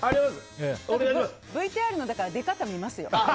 ＶＴＲの出方を見ますよ。